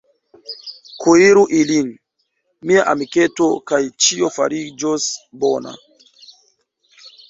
Kuiru ilin, mia amiketo, kaj ĉio fariĝos bona.